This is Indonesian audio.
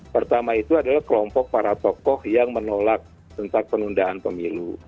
pertama itu adalah kelompok para tokoh yang menolak tentang penundaan pemilu